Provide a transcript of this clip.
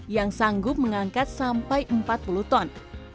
yang sanggup mengangkat sampai empat puluh ton